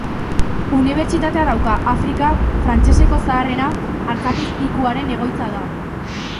Unibertsitatea dauka, Afrika frantseseko zaharrena; artzapezpikuaren egoitza da.